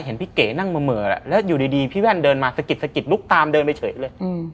เห็นพี่เก๋นั่งเหม่อแล้วอยู่ดีพี่แว่นเดินมาสะกิดสะกิดลุกตามเดินไปเฉยเลย